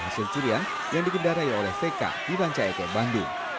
hasil curian yang digendarai oleh vk di rancaege bandung